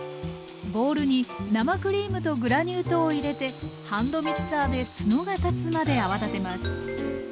ボウルに生クリームとグラニュー糖を入れてハンドミキサーでツノが立つまで泡立てます。